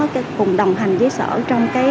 cùng đồng hành với sở trong cái